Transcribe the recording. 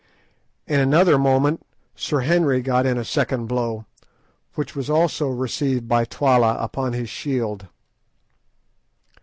In another moment Sir Henry got in a second blow, which was also received by Twala upon his shield.